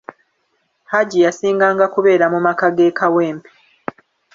Haji yasinganga kubeera mu maka g'e Kawempe.